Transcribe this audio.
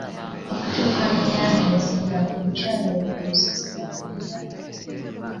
Okutuuka mu yafeesi nga omukyala oli omusisita kwe ndaba.